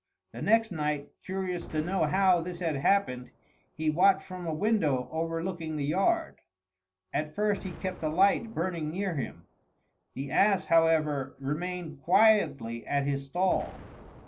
The next night, curious to know how this had happened, he watched from a window overlooking the yard. At first he kept a light burning near him. The ass, however, remained quietly at his stall.